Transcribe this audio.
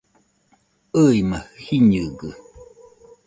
ɨima jiñɨgɨ